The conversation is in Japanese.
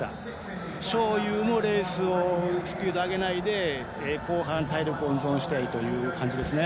章勇もレースでスピードを上げないで後半に体力を温存したいという感じですね。